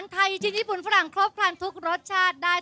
น้ำลายไหล